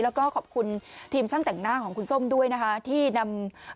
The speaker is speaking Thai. แล้วก็ขอบคุณทีมช่างแต่งหน้าของคุณส้มที่ให้เรานำเสนอข่าวนี้